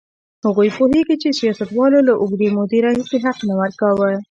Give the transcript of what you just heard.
هغوی پوهېږي چې سیاستوالو له اوږدې مودې راهیسې حق نه ورکاوه.